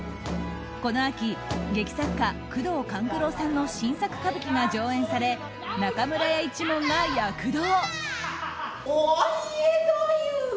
この秋、劇作家宮藤官九郎さんの新作歌舞伎が上演され、中村屋一門が躍動。